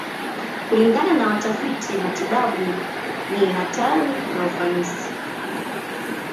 Kulingana na watafiti matibabu, ni hatari na ufanisi.